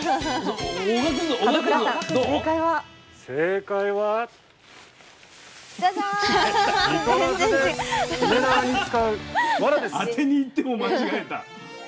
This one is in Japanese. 当てにいっても間違えた。